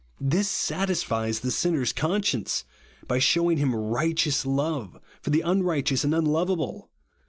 This satisfies the sinner's conscience, by shew inof him riohteous love, for the unrio hteous and unloveable.